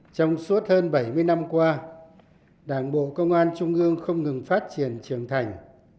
trong suốt hơn bảy mươi năm qua đảng bộ công an trung ương không ngừng phát triển trưởng thành